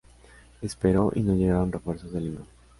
Esperó y no llegaron refuerzos de Lima.